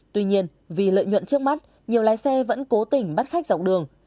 tuy nhiên vì lợi nhuận trước mắt nhiều lái xe vẫn cố tình bắt khách dọc đường